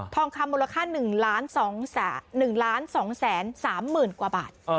ทองคำมูลค่าหนึ่งล้านสองแสนหนึ่งล้านสองแสนสามหมื่นกว่าบาท